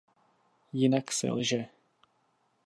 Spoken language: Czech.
Jinak selže.